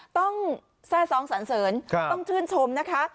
ต้องซ่าซ้องสรรเสริญต้องชื่นชมนะคะ